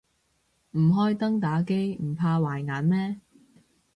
唔開燈打機唔怕壞眼咩